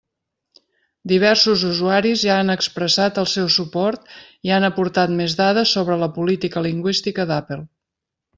Diversos usuaris ja han expressat el seu suport i han aportat més dades sobre la política lingüística d'Apple.